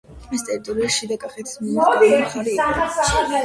ეს ტერიტორია შიდა კახეთის მიმართ „გაღმა მხარი“ იყო.